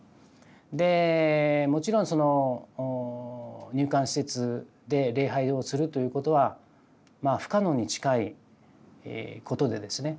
でもちろんその入管施設で礼拝をするということは不可能に近いことでですね